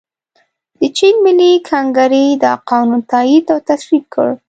د چین ملي کنګرې دا قانون تائید او تصویب کړ.